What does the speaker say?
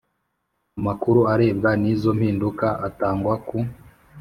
Amakuru arebwa n izo mpinduka atangwa ku